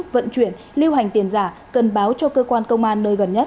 vận chuyển lưu hành tiền giả cần báo cho cơ quan công an nơi gần nhất